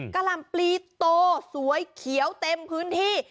กล่ำปลีโตสวยเขียวเต็มพื้นที่